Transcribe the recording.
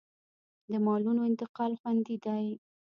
د مالونو انتقال خوندي دی